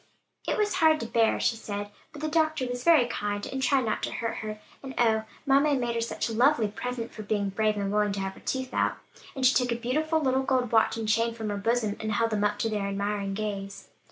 "It was hard to bear," she said, "but the doctor was very kind, and tried not to hurt her. And, oh, mamma had made her such a lovely present, for being brave and willing to have her tooth out." And she took a beautiful little gold watch and chain from her bosom, and held them up to their admiring gaze.